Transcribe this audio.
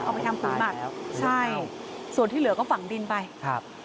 เอาไปทำขุนบัตรครับใช่ส่วนที่เหลือก็ฝังดินไปครับ